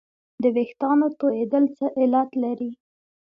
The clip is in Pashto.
د وېښتانو تویدل څه علت لري